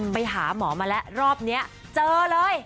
ไปหาหมอมาแล้วรอบนี้เจอเลย